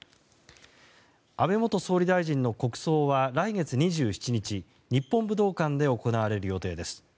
安倍元総理大臣の国葬は来月２７日日本武道館で行われる予定です。